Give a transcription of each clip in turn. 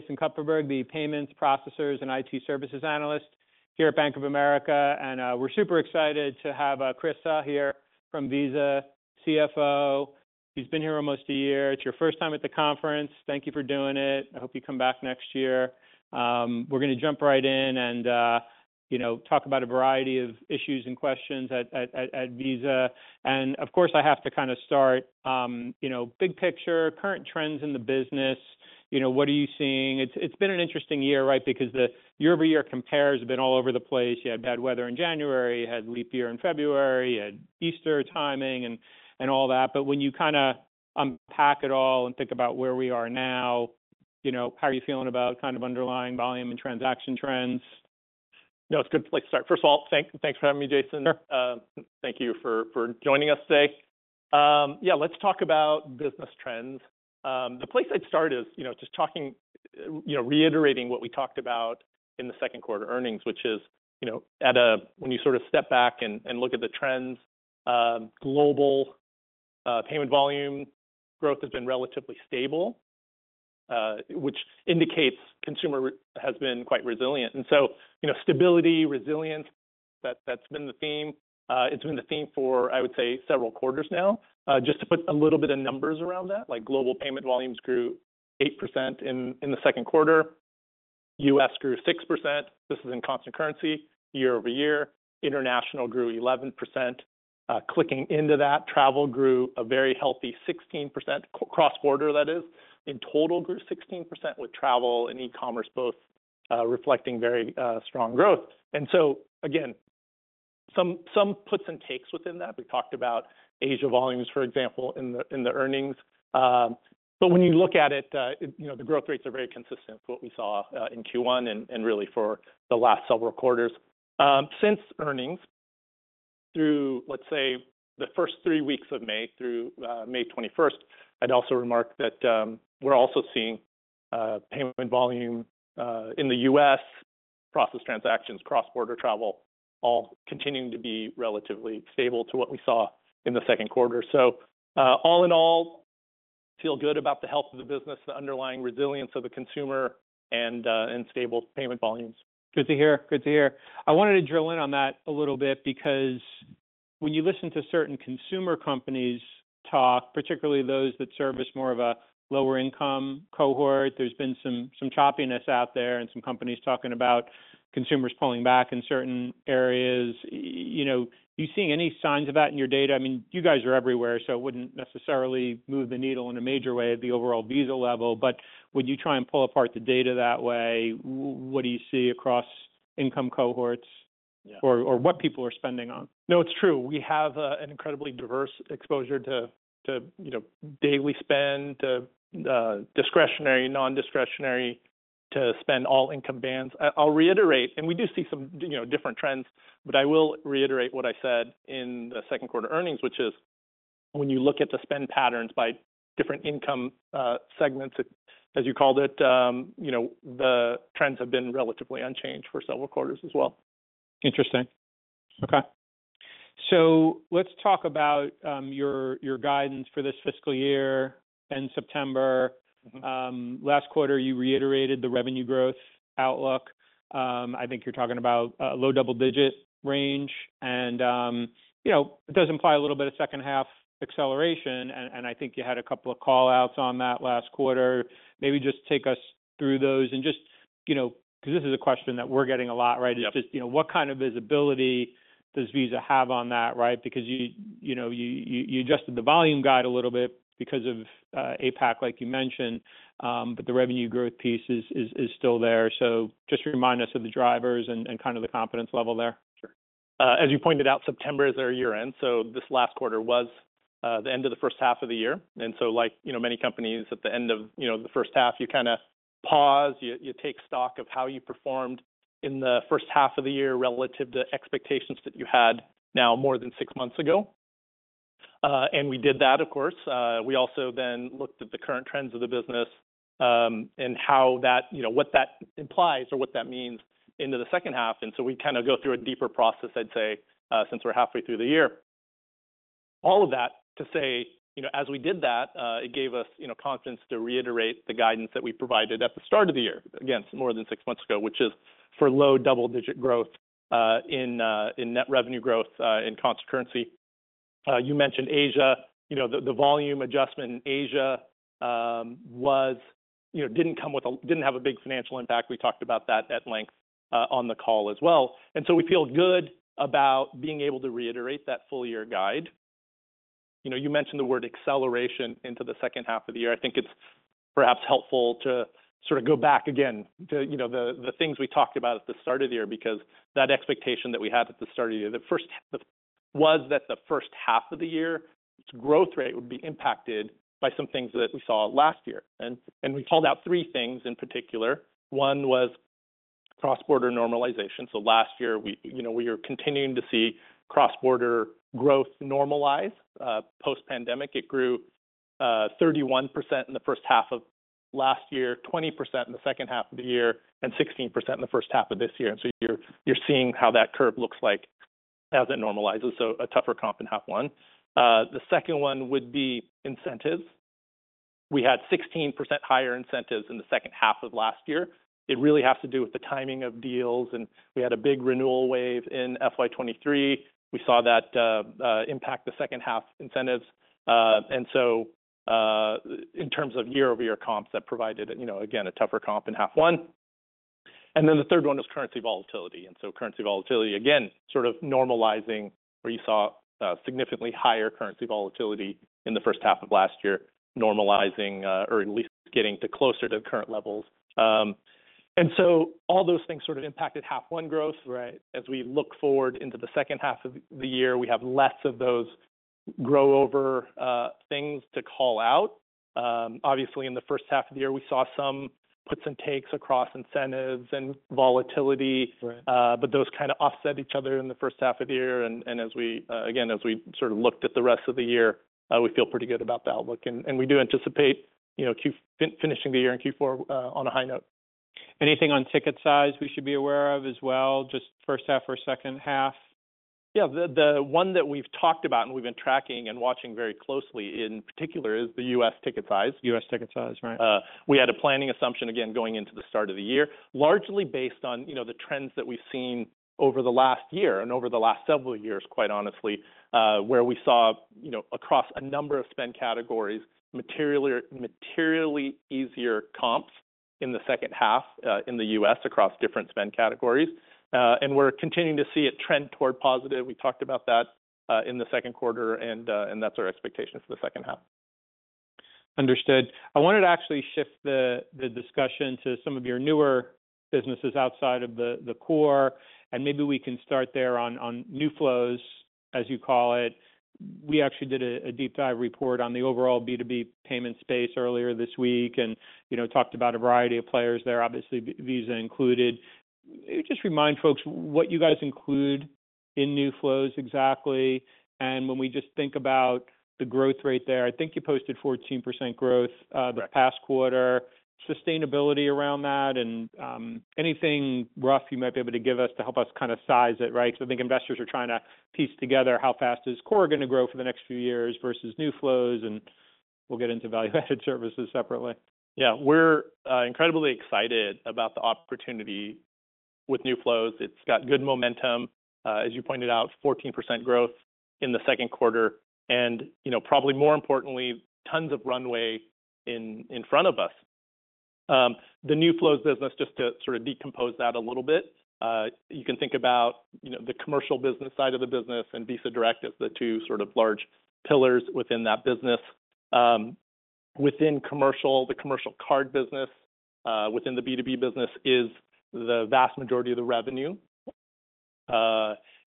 Jason Kupferberg, the payments, processors, and IT services analyst here at Bank of America, and, we're super excited to have, Chris Suh here from Visa, CFO. He's been here almost a year. It's your first time at the conference. Thank you for doing it. I hope you come back next year. We're going to jump right in and, you know, talk about a variety of issues and questions at Visa. And of course, I have to kind of start, you know, big picture, current trends in the business. You know, what are you seeing? It's been an interesting year, right? Because the year-over-year compares have been all over the place. You had bad weather in January, you had leap year in February, you had Easter timing and all that. But when you kinda unpack it all and think about where we are now, you know, how are you feeling about kind of underlying volume and transaction trends? No, it's a good place to start. First of all, thanks for having me, Jason. Sure. Thank you for joining us today. Yeah, let's talk about business trends. The place I'd start is, you know, just talking, you know, reiterating what we talked about in the second quarter earnings, which is, you know, at a... When you sort of step back and look at the trends, global payment volume growth has been relatively stable, which indicates consumer resilience has been quite resilient. And so, you know, stability, resilience, that's been the theme. It's been the theme for, I would say, several quarters now. Just to put a little bit of numbers around that, like, global payment volumes grew 8% in the second quarter. U.S. grew 6%. This is in constant currency year-over-year. International grew 11%. Clicking into that, travel grew a very healthy 16%, cross-border, that is. In total, grew 16%, with travel and e-commerce both reflecting very strong growth. So again, some puts and takes within that. We talked about Asia volumes, for example, in the earnings. But when you look at it, you know, the growth rates are very consistent with what we saw in Q1 and really for the last several quarters. Since earnings, through, let's say, the first three weeks of May, through May 21st, I'd also remark that we're also seeing payment volume in the U.S., processed transactions, cross-border travel, all continuing to be relatively stable to what we saw in the second quarter. So all in all, feel good about the health of the business, the underlying resilience of the consumer, and stable payment volumes. Good to hear. Good to hear. I wanted to drill in on that a little bit because when you listen to certain consumer companies talk, particularly those that service more of a lower-income cohort, there's been some choppiness out there and some companies talking about consumers pulling back in certain areas. You know, are you seeing any signs of that in your data? I mean, you guys are everywhere, so it wouldn't necessarily move the needle in a major way at the overall Visa level. But when you try and pull apart the data that way, what do you see across income cohorts- Yeah Or what people are spending on? No, it's true. We have an incredibly diverse exposure to you know, daily spend, to discretionary, non-discretionary, to spend all income bands. I'll reiterate, and we do see some you know, different trends, but I will reiterate what I said in the second quarter earnings, which is when you look at the spend patterns by different income segments, as you called it you know, the trends have been relatively unchanged for several quarters as well. Interesting. Okay. So let's talk about your guidance for this fiscal year, end September. Mm-hmm. Last quarter, you reiterated the revenue growth outlook. I think you're talking about low double-digit range, and, you know, it does imply a little bit of second-half acceleration, and I think you had a couple of call-outs on that last quarter. Maybe just take us through those and just, you know, because this is a question that we're getting a lot, right? Yep. It's just, you know, what kind of visibility does Visa have on that, right? Because you know, you adjusted the volume guide a little bit because of APAC, like you mentioned, but the revenue growth piece is still there. So just remind us of the drivers and kind of the confidence level there. Sure. As you pointed out, September is our year-end, so this last quarter was the end of the first half of the year. And so like, you know, many companies at the end of, you know, the first half, you kind of pause, you take stock of how you performed in the first half of the year relative to expectations that you had now more than six months ago. And we did that, of course. We also then looked at the current trends of the business, and how that you know, what that implies or what that means into the second half. And so we kind of go through a deeper process, I'd say, since we're halfway through the year. All of that to say, you know, as we did that, it gave us, you know, confidence to reiterate the guidance that we provided at the start of the year, again, more than six months ago, which is for low double-digit growth in net revenue growth in constant currency. You mentioned Asia. You know, the volume adjustment in Asia was. You know, didn't have a big financial impact. We talked about that at length on the call as well. And so we feel good about being able to reiterate that full year guide. You know, you mentioned the word acceleration into the second half of the year. I think it's perhaps helpful to sort of go back again to, you know, the things we talked about at the start of the year, because that expectation that we had at the start of the year was that the first half of the year's growth rate would be impacted by some things that we saw last year. And we called out three things in particular. One was cross-border normalization. So last year, you know, we are continuing to see cross-border growth normalize. Post-pandemic, it grew 31% in the first half of last year, 20% in the second half of the year, and 16% in the first half of this year. And so you're seeing how that curve looks like as it normalizes, so a tougher comp in half one. The second one would be incentives. We had 16% higher incentives in the second half of last year. It really has to do with the timing of deals, and we had a big renewal wave in FY 2023. We saw that impact the second half incentives. And so, in terms of year-over-year comps, that provided, you know, again, a tougher comp in half one. And then the third one was currency volatility. And so currency volatility, again, sort of normalizing, where you saw significantly higher currency volatility in the first half of last year, normalizing, or at least getting to closer to current levels. And so all those things sort of impacted half one growth, right? As we look forward into the second half of the year, we have less of those grow over things to call out. Obviously, in the first half of the year, we saw some puts and takes across incentives and volatility. Right. But those kind of offset each other in the first half of the year. And, and as we again, as we sort of looked at the rest of the year, we feel pretty good about the outlook, and, and we do anticipate, you know, Q- finishing the year in Q4, on a high note. Anything on ticket size we should be aware of as well, just first half or second half? Yeah, the one that we've talked about and we've been tracking and watching very closely in particular is the U.S. ticket size. U.S. ticket size, right. We had a planning assumption, again, going into the start of the year, largely based on, you know, the trends that we've seen over the last year and over the last several years, quite honestly, where we saw, you know, across a number of spend categories, materially, materially easier comps in the second half, in the U.S., across different spend categories. And we're continuing to see it trend toward positive. We talked about that in the second quarter, and that's our expectation for the second half. Understood. I wanted to actually shift the discussion to some of your newer businesses outside of the core, and maybe we can start there on New Flows, as you call it. We actually did a deep dive report on the overall B2B payment space earlier this week and, you know, talked about a variety of players there, obviously, Visa included. Just remind folks what you guys include in New Flows, exactly, and when we just think about the growth rate there, I think you posted 14% growth- Right The past quarter, sustainability around that, and, anything rough you might be able to give us to help us kind of size it, right? Because I think investors are trying to piece together how fast is core going to grow for the next few years versus New Flows, and we'll get into Value-Added Services separately. Yeah. We're incredibly excited about the opportunity with New Flows. It's got good momentum. As you pointed out, 14% growth in the second quarter, and, you know, probably more importantly, tons of runway in front of us. The New Flows business, just to sort of decompose that a little bit, you can think about, you know, the commercial business side of the business and Visa Direct as the two sort of large pillars within that business. Within commercial, the commercial card business, within the B2B business is the vast majority of the revenue.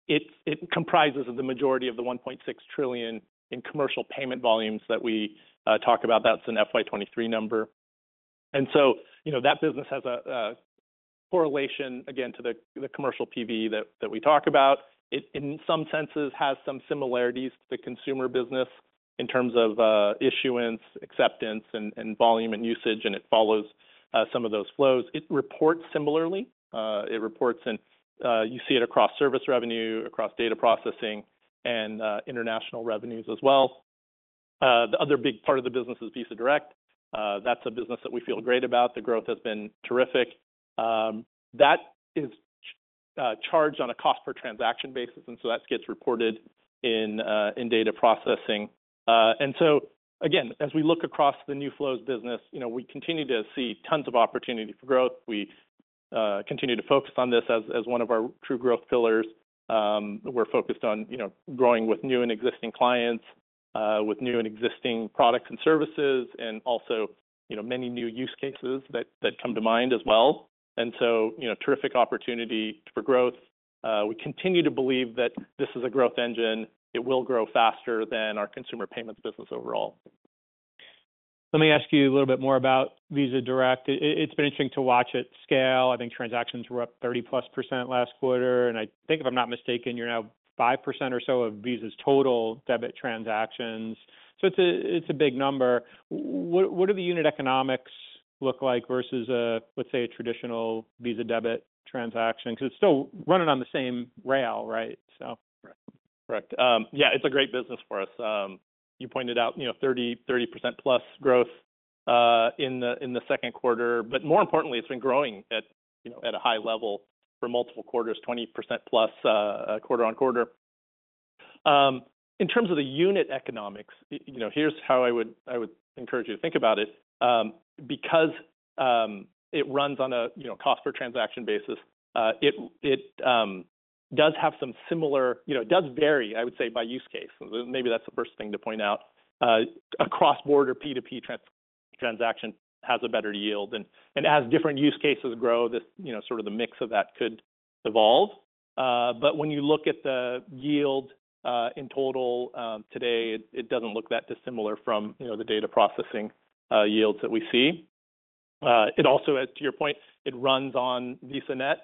It comprises the majority of the $1.6 trillion in commercial payment volumes that we talk about. That's an FY 2023 number. And so, you know, that business has a correlation again, to the commercial PV that we talk about. It, in some senses, has some similarities to the consumer business in terms of, issuance, acceptance, and, and volume and usage, and it follows, some of those flows. It reports similarly. It reports and, you see it across service revenue, across data processing, and, international revenues as well. The other big part of the business is Visa Direct. That's a business that we feel great about. The growth has been terrific. That is, charged on a cost per transaction basis, and so that gets reported in, in data processing. And so again, as we look across the New Flows business, you know, we continue to see tons of opportunity for growth. We, continue to focus on this as, as one of our true growth pillars. We're focused on, you know, growing with new and existing clients, with new and existing products and services, and also, you know, many new use cases that come to mind as well. You know, terrific opportunity for growth. We continue to believe that this is a growth engine. It will grow faster than our Consumer Payments business overall. Let me ask you a little bit more about Visa Direct. It, it's been interesting to watch it scale. I think transactions were up 30%+ last quarter, and I think, if I'm not mistaken, you're now 5% or so of Visa's total debit transactions. So it's a, it's a big number. What, what do the unit economics look like versus a, let's say, a traditional Visa debit transaction? Because it's still running on the same rail, right? So... Right. Correct. Yeah, it's a great business for us. You pointed out, you know, 30, 30%+ growth in the second quarter, but more importantly, it's been growing at, you know, at a high level for multiple quarters, 20%+, quarter-on-quarter. In terms of the unit economics, you know, here's how I would, I would encourage you to think about it. Because it runs on a, you know, cost per transaction basis, it does have some similar. You know, it does vary, I would say, by use case. Maybe that's the first thing to point out. A cross-border P2P transaction has a better yield, and as different use cases grow, the, you know, sort of the mix of that could evolve. But when you look at the yield, in total, today, it doesn't look that dissimilar from, you know, the data processing yields that we see. It also, as to your point, it runs on VisaNet,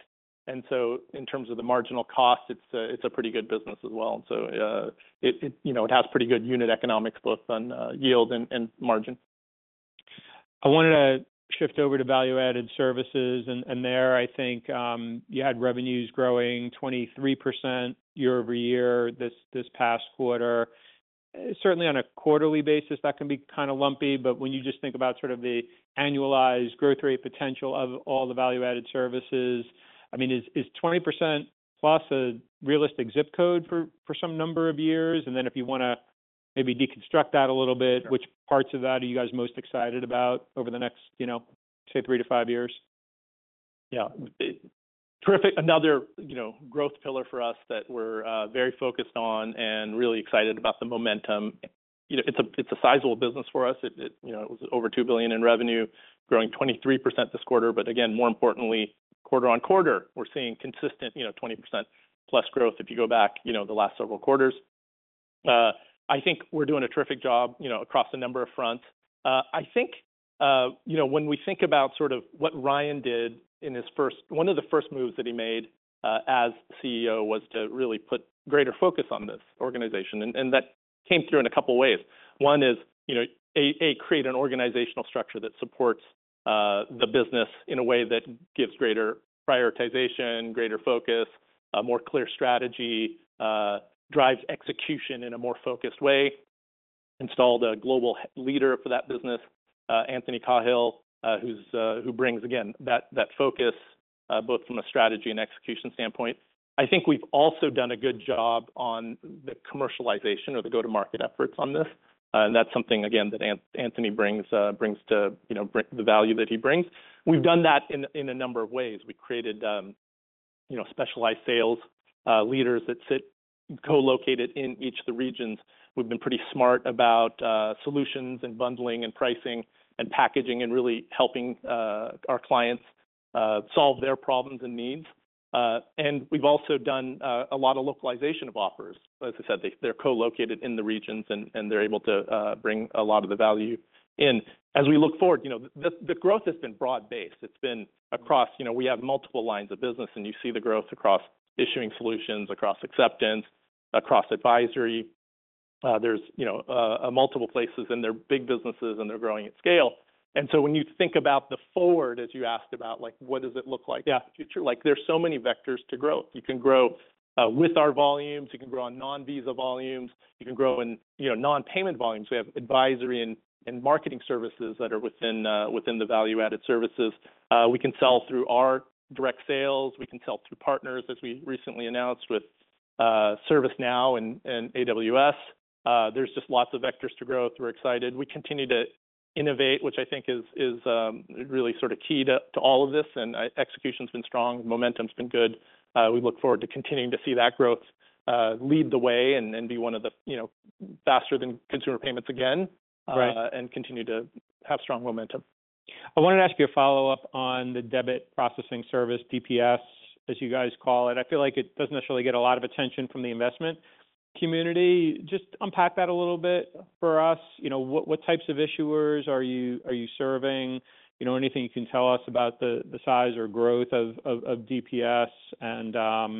and so in terms of the marginal cost, it's a pretty good business as well. So, it, you know, it has pretty good unit economics, both on yield and margin. I wanted to shift over to Value-Added Services, and there I think you had revenues growing 23% year-over-year, this past quarter. Certainly, on a quarterly basis, that can be kind of lumpy, but when you just think about sort of the annualized growth rate potential of all the Value-Added Services, I mean, is 20%+ a realistic zip code for some number of years? And then if you want to maybe deconstruct that a little bit, which parts of that are you guys most excited about over the next, you know, say, 3-5 years? Yeah. Terrific. Another, you know, growth pillar for us that we're very focused on and really excited about the momentum. You know, it's a sizable business for us. It, you know, it was over $2 billion in revenue, growing 23% this quarter. But again, more importantly, quarter on quarter, we're seeing consistent, you know, 20%+ growth if you go back, you know, the last several quarters. I think we're doing a terrific job, you know, across a number of fronts. I think, you know, when we think about sort of what Ryan did in his first, one of the first moves that he made as CEO, was to really put greater focus on this organization, and that came through in a couple of ways. One is, you know, create an organizational structure that supports the business in a way that gives greater prioritization, greater focus, a more clear strategy, drives execution in a more focused way. Installed a global leader for that business, Antony Cahill, who brings, again, that focus both from a strategy and execution standpoint. I think we've also done a good job on the commercialization or the go-to-market efforts on this, and that's something, again, that Antony brings to, you know, the value that he brings. We've done that in a number of ways. We created, you know, specialized sales leaders that sit co-located in each of the regions. We've been pretty smart about solutions and bundling and pricing and packaging, and really helping our clients solve their problems and needs. And we've also done a lot of localization of offers. As I said, they're co-located in the regions, and they're able to bring a lot of the value in. As we look forward, you know, the growth has been broad-based. It's been across... You know, we have multiple lines of business, and you see the growth across issuing solutions, across acceptance, across advisory. There's, you know, multiple places, and they're big businesses, and they're growing at scale. And so when you think about the forward, as you asked about, like, what does it look like- Yeah In the future? Like, there's so many vectors to grow. You can grow with our volumes, you can grow on non-Visa volumes, you can grow in, you know, non-payment volumes. We have advisory and marketing services that are within the Value-Added Services. We can sell through our direct sales, we can sell through partners, as we recently announced with ServiceNow and AWS. There's just lots of vectors to growth. We're excited. We continue to innovate, which I think is really sort of key to all of this, and execution's been strong, momentum's been good. We look forward to continuing to see that growth lead the way and then be one of the, you know, faster than Consumer Payments again. Right and continue to have strong momentum. I wanted to ask you a follow-up on the debit processing service, DPS, as you guys call it. I feel like it doesn't necessarily get a lot of attention from the investment community. Just unpack that a little bit for us. You know, what types of issuers are you serving? You know, anything you can tell us about the size or growth of DPS, and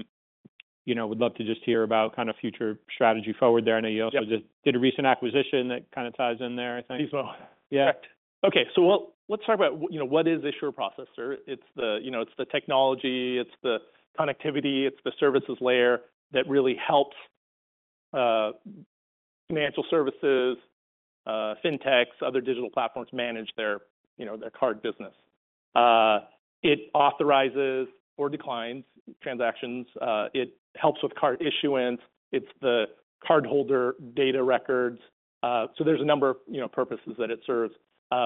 you know, would love to just hear about kind of future strategy forward there. I know you also- Yep just did a recent acquisition that kind of ties in there, I think. Visa. Yeah. Okay, so well, let's talk about, you know, what is issuer processor? It's the... You know, it's the technology, it's the connectivity, it's the services layer that really helps, financial services, fintechs, other digital platforms manage their, you know, their card business. It authorizes or declines transactions, it helps with card issuance, it's the cardholder data records. So there's a number of, you know, purposes that it serves.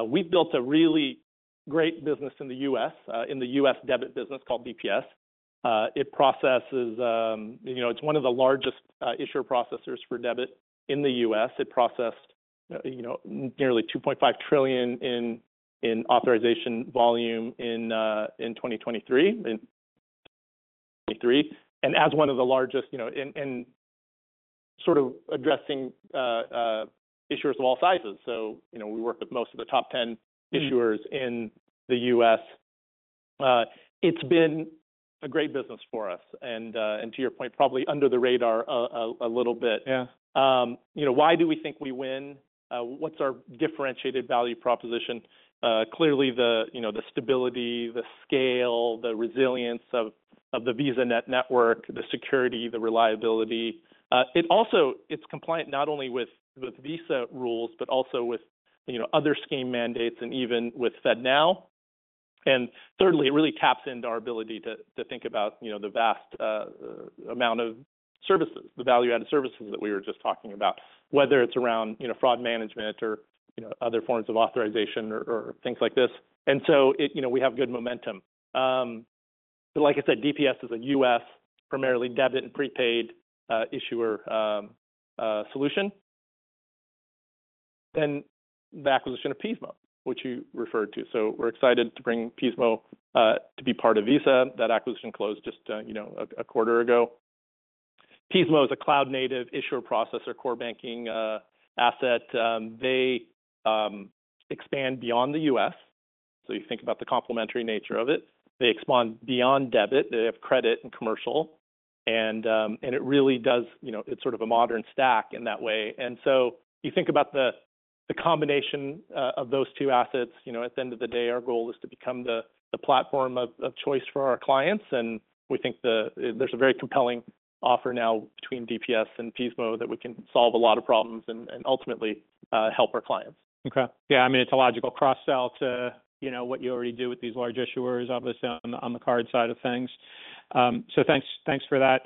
We've built a really great business in the U.S., in the U.S. debit business called BPS. It processes, you know, it's one of the largest, issuer processors for debit in the U.S. It processed, you know, nearly $2.5 trillion in authorization volume in 2023. As one of the largest, you know, in sort of addressing issuers of all sizes. You know, we work with most of the top ten issuers- Mm-hmm In the US. It's been a great business for us, and to your point, probably under the radar a little bit. Yeah. You know, why do we think we win? What's our differentiated value proposition? Clearly, you know, the stability, the scale, the resilience of the VisaNet network, the security, the reliability. It also, it's compliant not only with Visa rules, but also with, you know, other scheme mandates and even with FedNow. And thirdly, it really taps into our ability to think about, you know, the vast amount of services, the Value-Added Services that we were just talking about, whether it's around, you know, fraud management or, you know, other forms of authorization or things like this. And so, it, you know, we have good momentum. Like I said, DPS is a U.S. primarily debit and prepaid issuer solution. Then the acquisition of Pismo, which you referred to. So we're excited to bring Pismo to be part of Visa. That acquisition closed just, you know, a quarter ago. Pismo is a cloud-native issuer processor, core banking asset. They expand beyond the U.S., so you think about the complementary nature of it. They expand beyond debit, they have credit and commercial, and it really does, you know, it's sort of a modern stack in that way. And so you think about the combination of those two assets, you know, at the end of the day, our goal is to become the platform of choice for our clients, and we think there's a very compelling offer now between DPS and Pismo that we can solve a lot of problems and ultimately help our clients. Okay. Yeah, I mean, it's a logical cross-sell to, you know, what you already do with these large issuers, obviously, on the, on the card side of things. So thanks for that.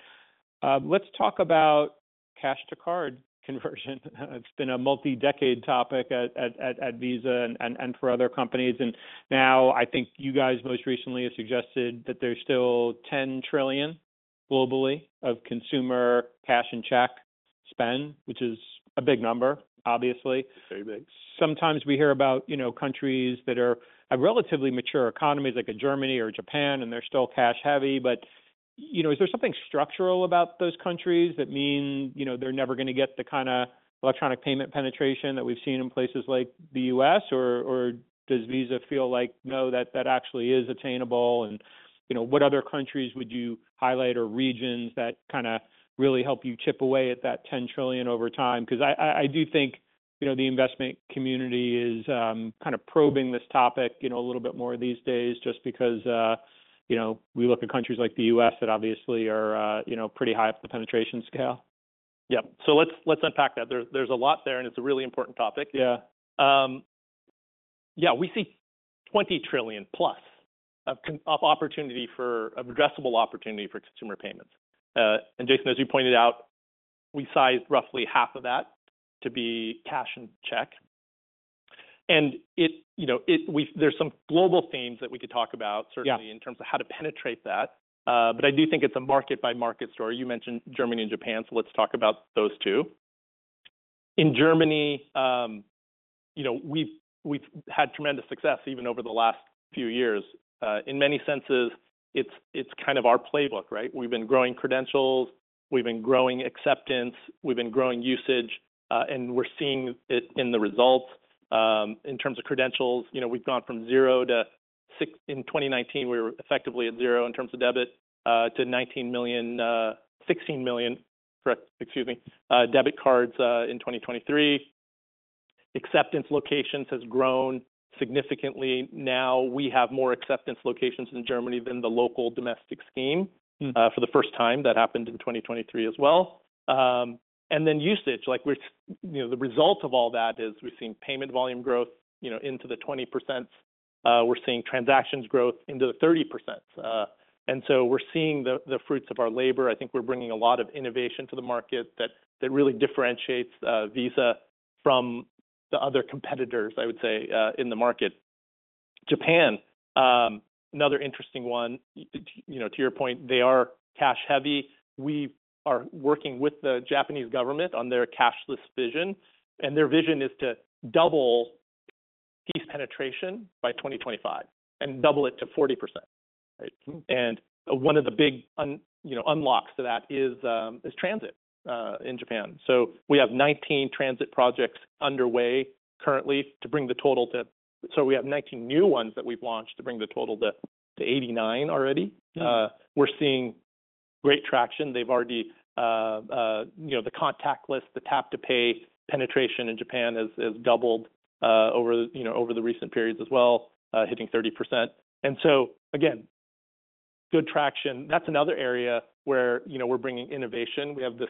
Let's talk about cash-to-card conversion. It's been a multi-decade topic at Visa and for other companies, and now I think you guys most recently have suggested that there's still $10 trillion globally of consumer cash and check spend, which is a big number, obviously. Very big. Sometimes we hear about, you know, countries that are a relatively mature economies, like Germany or Japan, and they're still cash-heavy, but, you know, is there something structural about those countries that mean, you know, they're never going to get the kinda electronic payment penetration that we've seen in places like the U.S., or does Visa feel like, no, that actually is attainable? And, you know, what other countries would you highlight or regions that kinda really help you chip away at that $10 trillion over time? Because I do think, you know, the investment community is kind of probing this topic, you know, a little bit more these days just because, you know, we look at countries like the U.S. that obviously are, you know, pretty high up the penetration scale. Yeah. So let's unpack that. There's a lot there, and it's a really important topic. Yeah. Yeah, we see $20 trillion plus of opportunity for… of addressable opportunity for Consumer Payments. And Jason, as you pointed out, we sized roughly half of that to be cash and check. And you know, there's some global themes that we could talk about- Yeah... certainly in terms of how to penetrate that. But I do think it's a market-by-market story. You mentioned Germany and Japan, so let's talk about those two. In Germany, you know, we've, we've had tremendous success even over the last few years. In many senses, it's, it's kind of our playbook, right? We've been growing credentials, we've been growing acceptance, we've been growing usage, and we're seeing it in the results. In terms of credentials, you know, we've gone from zero to six- in 2019, we were effectively at zero in terms of debit, to 19 million, 16 million, correct, excuse me, debit cards, in 2023. Acceptance locations has grown significantly. Now we have more acceptance locations in Germany than the local domestic scheme. Mm. For the first time, that happened in 2023 as well. And then usage, like, which, you know, the result of all that is we've seen payment volume growth, you know, into the 20%. We're seeing transactions growth into the 30%. And so we're seeing the fruits of our labor. I think we're bringing a lot of innovation to the market that really differentiates Visa from the other competitors, I would say, in the market. Japan, another interesting one. You know, to your point, they are cash-heavy. We are working with the Japanese government on their cashless vision, and their vision is to double PCE penetration by 2025 and double it to 40%, right? Mm. One of the big one, you know, unlocks to that is transit in Japan. So we have 19 new ones that we've launched to bring the total to 89 already. Mm. We're seeing great traction. They've already... You know, the contactless, the Tap to Pay penetration in Japan has doubled over, you know, over the recent periods as well, hitting 30%. And so again, good traction. That's another area where, you know, we're bringing innovation. We have this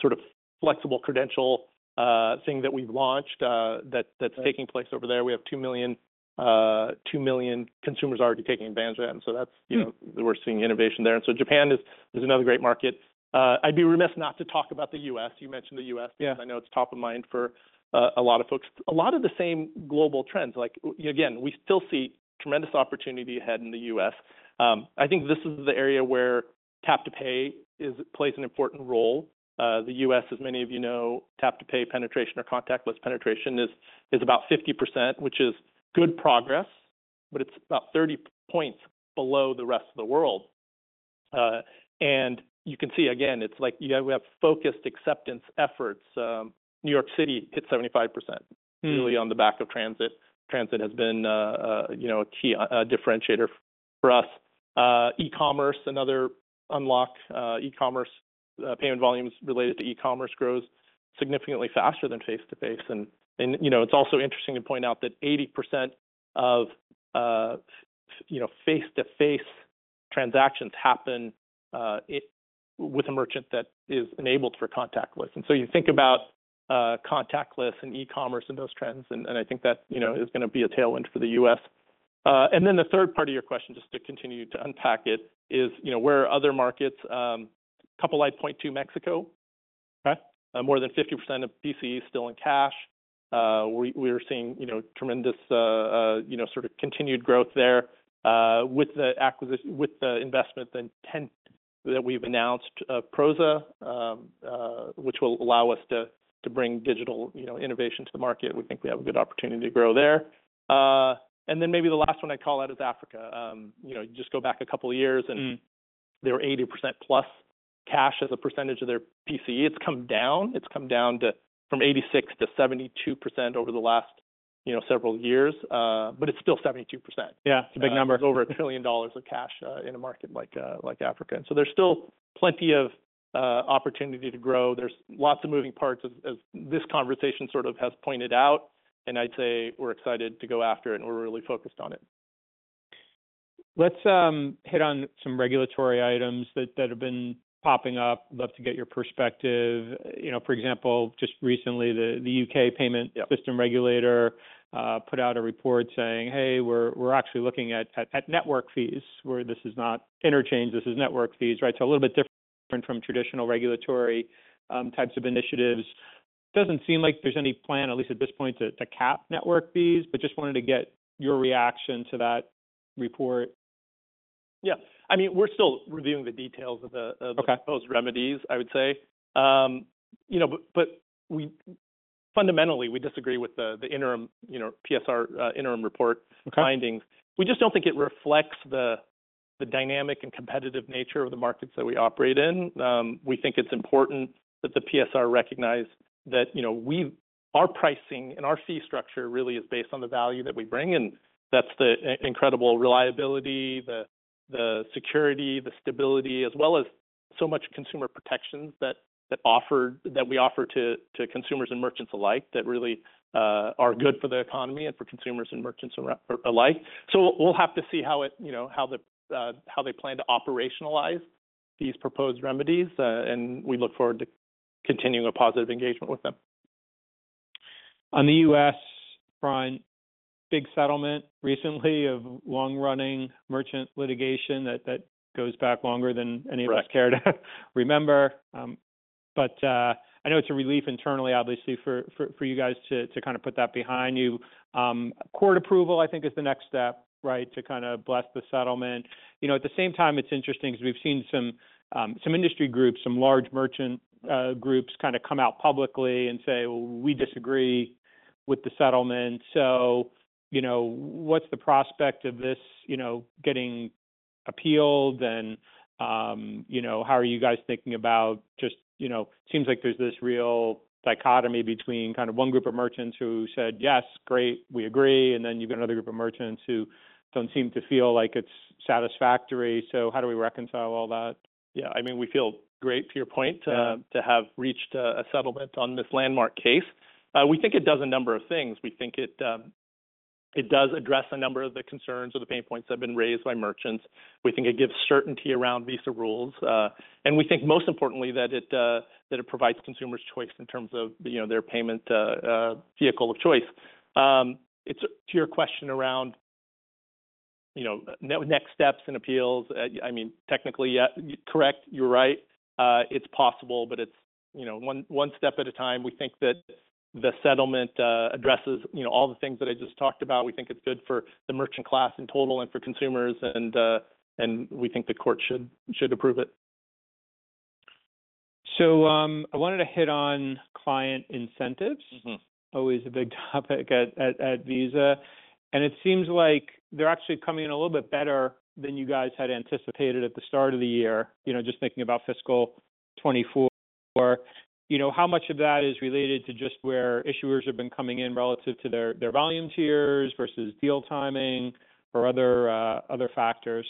sort of Flexible Credential thing that we've launched that- Right That's taking place over there. We have 2 million, 2 million consumers already taking advantage of that, and so that's- Mm You know, we're seeing innovation there. And so Japan is another great market. I'd be remiss not to talk about the U.S. You mentioned the U.S.- Yeah Because I know it's top of mind for a lot of folks. A lot of the same global trends. Like, again, we still see tremendous opportunity ahead in the U.S. I think this is the area where Tap to Pay plays an important role. The U.S., as many of you know, Tap to Pay penetration or contactless penetration is about 50%, which is good progress, but it's about 30 points below the rest of the world. And you can see, again, it's like, you know, we have focused acceptance efforts. New York City hit 75%- Mm Really on the back of transit. Transit has been, you know, a key differentiator for us. E-commerce, another unlock, e-commerce payment volumes related to e-commerce grows significantly faster than face-to-face. And, you know, it's also interesting to point out that 80% of, you know, face-to-face transactions happen with a merchant that is enabled for contactless. And so you think about, contactless and e-commerce and those trends, and, I think that, you know, is going to be a tailwind for the U.S. And then the third part of your question, just to continue to unpack it, is, you know, where are other markets? A couple I'd point to, Mexico. Okay. More than 50% of PCE is still in cash. We are seeing tremendous, you know, sort of continued growth there, with the acquisition—with the investment, the one that we've announced, Prosa, which will allow us to bring digital, you know, innovation to the market. We think we have a good opportunity to grow there. And then maybe the last one I'd call out is Africa. You know, just go back a couple of years, and- Mm —they were 80%+ cash as a percentage of their PCE. It's come down, it's come down to from 86%-72% over the last, you know, several years, but it's still 72%. Yeah, it's a big number. Over $1 trillion of cash in a market like, like Africa. And so there's still plenty of opportunity to grow. There's lots of moving parts, as this conversation sort of has pointed out, and I'd say we're excited to go after it, and we're really focused on it. Let's hit on some regulatory items that have been popping up. Love to get your perspective. You know, for example, just recently, the UK payment- Yeah Payment Systems Regulator put out a report saying, "Hey, we're actually looking at network fees," where this is not interchange, this is network fees, right? So a little bit different from traditional regulatory types of initiatives. It doesn't seem like there's any plan, at least at this point, to cap network fees, but just wanted to get your reaction to that report. Yeah. I mean, we're still reviewing the details of the, of- Okay - those remedies, I would say. You know, but we fundamentally disagree with the interim, you know, PSR interim report. Okay findings. We just don't think it reflects the dynamic and competitive nature of the markets that we operate in. We think it's important that the PSR recognize that, you know, our pricing and our fee structure really is based on the value that we bring, and that's the incredible reliability, the security, the stability, as well as so much consumer protections that we offer to consumers and merchants alike, that really are good for the economy and for consumers and merchants alike. So we'll have to see how it, you know, how they plan to operationalize these proposed remedies, and we look forward to continuing a positive engagement with them. On the U.S. front, big settlement recently of long-running merchant litigation that goes back longer than any of us- Right Care to remember. But, I know it's a relief internally, obviously, for you guys to kind of put that behind you. Court approval, I think, is the next step, right, to kinda bless the settlement. You know, at the same time, it's interesting because we've seen some industry groups, some large merchant groups kind of come out publicly and say, "Well, we disagree with the settlement." So, you know, what's the prospect of this, you know, getting appealed? And, you know, how are you guys thinking about just... You know, seems like there's this real dichotomy between kind of one group of merchants who said, "Yes, great, we agree," and then you've got another group of merchants who don't seem to feel like it's satisfactory. So how do we reconcile all that? Yeah, I mean, we feel great, to your point- Yeah To have reached a settlement on this landmark case. We think it does a number of things. We think it does address a number of the concerns or the pain points that have been raised by merchants. We think it gives certainty around Visa rules. And we think, most importantly, that it provides consumers choice in terms of, you know, their payment vehicle of choice. It's to your question around, you know, next steps and appeals, I mean, technically, yeah, correct, you're right. It's possible, but it's, you know, one step at a time. We think that the settlement addresses, you know, all the things that I just talked about. We think it's good for the merchant class in total and for consumers, and we think the court should approve it. So, I wanted to hit on client incentives. Mm-hmm. Always a big topic at Visa. It seems like they're actually coming in a little bit better than you guys had anticipated at the start of the year. You know, just thinking about fiscal 2024. You know, how much of that is related to just where issuers have been coming in relative to their volume tiers versus deal timing or other factors?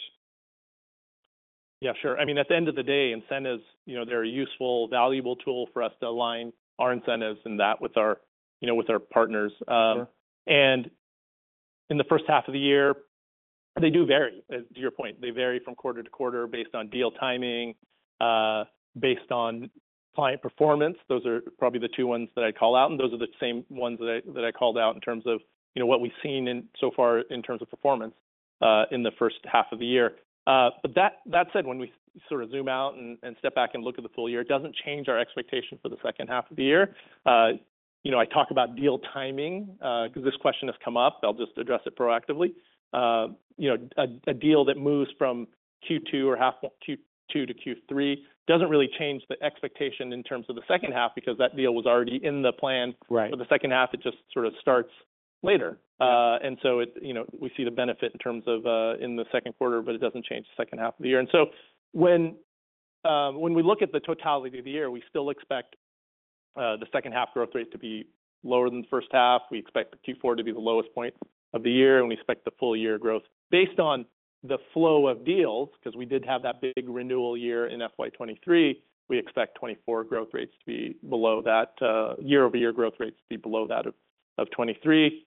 Yeah, sure. I mean, at the end of the day, incentives, you know, they're a useful, valuable tool for us to align our incentives and that with our, you know, with our partners. Sure. And in the first half of the year, they do vary. To your point, they vary from quarter to quarter based on deal timing, based on client performance. Those are probably the two ones that I'd call out, and those are the same ones that I that I called out in terms of, you know, what we've seen so far in terms of performance, in the first half of the year. But that said, when we sort of zoom out and step back and look at the full year, it doesn't change our expectation for the second half of the year. You know, I talk about deal timing, because this question has come up. I'll just address it proactively. You know, a deal that moves from Q2 or half Q2-Q3 doesn't really change the expectation in terms of the second half because that deal was already in the plan- Right For the second half, it just sort of starts later. And so it, you know, we see the benefit in terms of in the second quarter, but it doesn't change the second half of the year. And so when we look at the totality of the year, we still expect the second half growth rate to be lower than the first half. We expect the Q4 to be the lowest point of the year, and we expect the full-year growth based on the flow of deals, because we did have that big renewal year in FY 2023. We expect 2024 growth rates to be below that, year-over-year growth rates to be below that of 2023.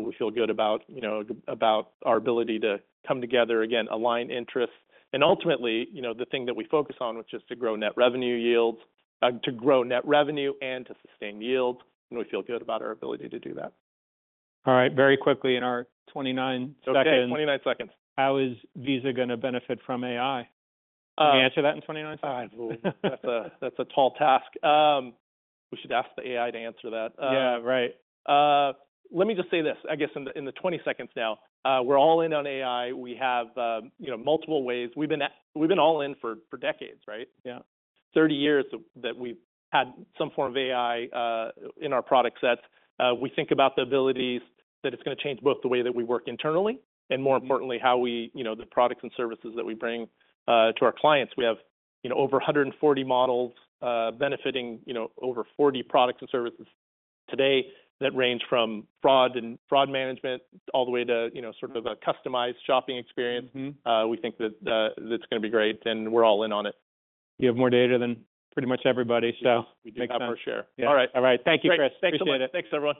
We feel good about, you know, about our ability to come together again, align interests, and ultimately, you know, the thing that we focus on, which is to grow net revenue yields, to grow net revenue and to sustain yields, and we feel good about our ability to do that. All right, very quickly, in our 29 seconds. Okay, 29 seconds. How is Visa going to benefit from AI? Uh- Can you answer that in 29 seconds? That's a tall task. We should ask the AI to answer that. Yeah, right. Let me just say this, I guess in the 20 seconds now, we're all in on AI. We have, you know, multiple ways. We've been all in for decades, right? Yeah. Thirty years that we've had some form of AI in our product sets. We think about the abilities that it's going to change both the way that we work internally and more importantly, how we, you know, the products and services that we bring to our clients. We have, you know, over 140 models benefiting, you know, over 40 products and services today that range from fraud and fraud management, all the way to, you know, sort of a customized shopping experience. Mm-hmm. We think that that's going to be great, and we're all in on it. You have more data than pretty much everybody, so- Yeah Makes sense. We do have our share. Yeah. All right. All right. Thank you, Chris. Thanks a lot. Appreciate it. Thanks, everyone.